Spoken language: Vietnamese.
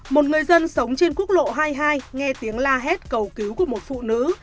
một người dân sống trên quốc lộ hai mươi hai nghe tiếng la hét cầu cứu của một phụ nữ